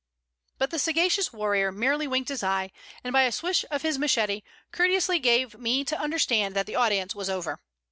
But the sagacious warrior merely winked his eye, and by a swish of his machete courteously gave me to understand that the audience was over.